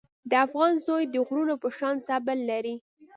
د افغان زوی د غرونو په شان صبر لري.